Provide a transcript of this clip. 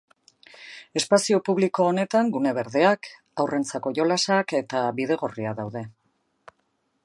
Espazio publiko honetan gune berdeak, haurrentzako jolasak eta bidegorria daude.